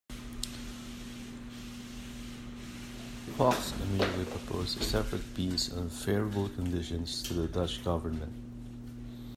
Fox immediately proposed a separate peace on favorable conditions to the Dutch government.